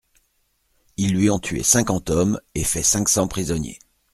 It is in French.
Ils lui ont tué cinquante hommes et fait cinq cents prisonniers.